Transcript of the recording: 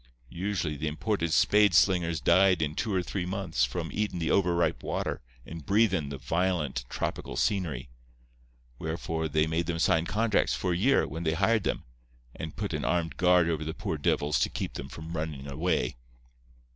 Usually the imported spade slingers died in two or three months from eatin' the over ripe water and breathin' the violent tropical scenery. Wherefore they made them sign contracts for a year, when they hired them, and put an armed guard over the poor divils to keep them from runnin' away.